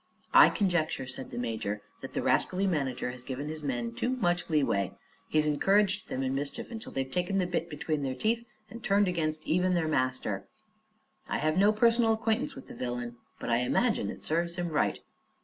"I conjecture," said the major, "that the rascally manager has given his men too much leeway. He's encouraged them in mischief until they've taken the bit between their teeth and turned against even their master. I have no personal acquaintance with the villain, but I imagine it serves him right."